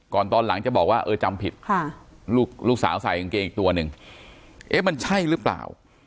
ตอนหลังจะบอกว่าเออจำผิดลูกสาวใส่กางเกงอีกตัวหนึ่งเอ๊ะมันใช่หรือเปล่า